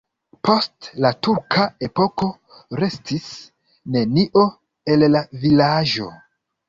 Post la turka epoko restis nenio el la vilaĝo.